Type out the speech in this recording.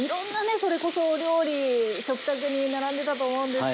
それこそお料理食卓に並んでたと思うんですけれども。